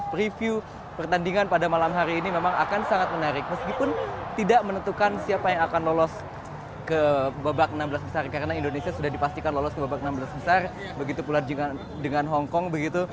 preview pertandingan pada malam hari ini memang akan sangat menarik meskipun tidak menentukan siapa yang akan lolos ke babak enam belas besar karena indonesia sudah dipastikan lolos ke babak enam belas besar begitu pula dengan hongkong begitu